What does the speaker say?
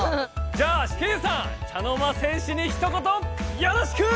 じゃあケイさん茶の間戦士にひと言よろしく！